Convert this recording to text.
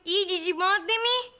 ih jijik banget deh mi